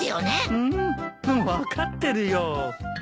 うん？分かってるよ。